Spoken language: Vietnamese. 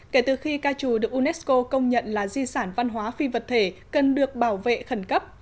kể từ khi ca trù được unesco công nhận là di sản văn hóa phi vật thể cần được bảo vệ khẩn cấp